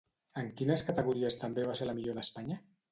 En quines categories també va ser la millor d'Espanya?